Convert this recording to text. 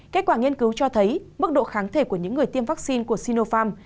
kết quả nghiên cứu cho thấy mức độ kháng thể của những người tiêm vaccine của sinopharm